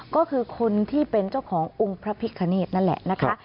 ก็คือคนที่เป็นเจ้าขององค์พระพิคเนธนั่นแหละนะคะ